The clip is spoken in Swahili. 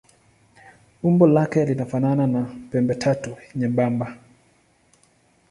Umbo lake linafanana na pembetatu nyembamba.